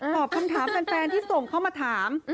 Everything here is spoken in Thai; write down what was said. ตอบคำถามแฟนที่ส่งเข้ามาถาม